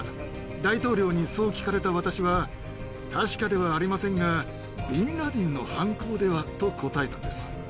大統領にそう聞かれた私は、確かではありませんが、ビンラディンの犯行では？と答えたんです。